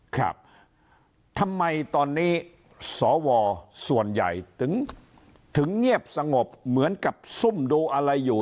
ครับทำไมตอนนี้สวส่วนใหญ่ถึงเงียบสงบเหมือนกับซุ่มดูอะไรอยู่